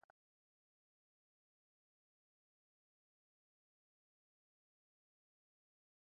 En du el ili, lia partopreno estas tre dubinda.